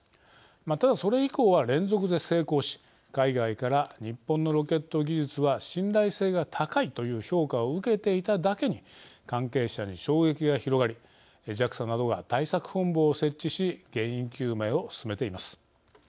ただ、それ以降は連続で成功し海外から日本のロケット技術は信頼性が高いという評価を受けていただけに関係者に衝撃が広がりＪＡＸＡなどが対策本部を設置し原因究明を進めています。